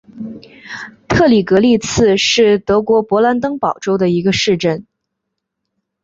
特里格利茨是德国勃兰登堡州的一个市镇。